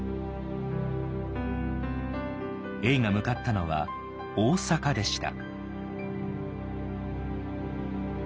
永が向かったのは大阪でした。